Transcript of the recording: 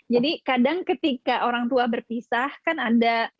jadi kadang ketika orang tua berpisah kan ada